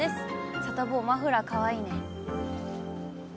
サタボー、マフラーかわいいね。